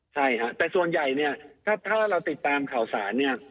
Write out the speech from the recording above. ใช่แต่ส่วนใหญ่ถ้าเราติดตามข่าวสาร